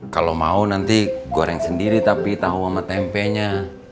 kalo mau nanti goreng sendiri tapi tau ama tempenya